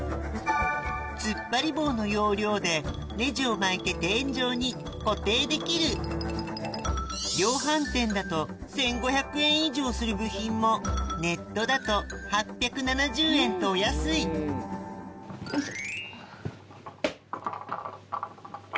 突っ張り棒の要領でネジを巻いて天井に固定できる量販店だと１５００円以上する部品もネットだと８７０円とお安いよいしょ。